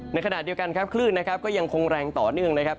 ในขณะเดียวกันครับคลื่นนะครับก็ยังคงแรงต่อเนื่องนะครับ